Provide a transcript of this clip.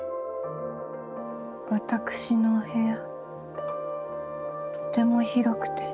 私のお部屋とても広くて。